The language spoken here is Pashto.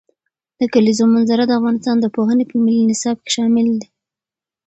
د کلیزو منظره د افغانستان د پوهنې په ملي نصاب کې هم شامل دي.